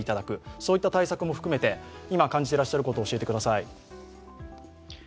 そういった対策も含めて、今感じていらっしゃることを教えてください。